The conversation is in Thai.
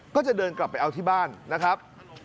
ก็จะเดินกลับไปเอาที่บ้านนะครับ